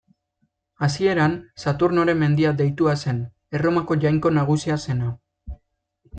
Hasieran, Saturnoren mendia deitua zen, Erromako jainko nagusia zena.